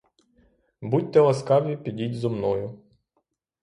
Будьте ласкаві, підіть зо мною.